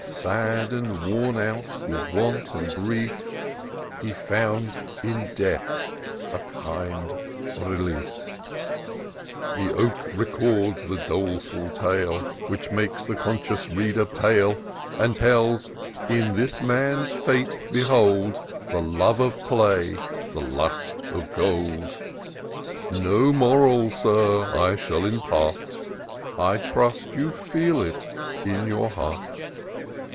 Sunk and worn out with want and grief. He found in death a kind i^eliefc " The oak records the doleful tale. Which makes the conscious reader pale ; And tells —* In this man's fate behold The love of play— the lust of gold.' No moral. Sir, I shall impart ; I trust you feel it in your heart.